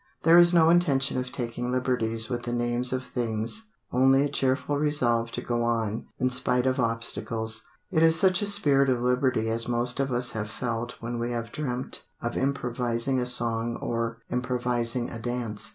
There is no intention of taking liberties with the names of things only a cheerful resolve to go on in spite of obstacles. It is such a spirit of liberty as most of us have felt when we have dreamt of improvising a song or improvising a dance.